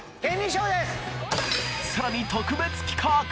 さらに特別企画！